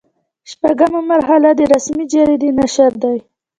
شپږمه مرحله د رسمي جریدې نشر دی.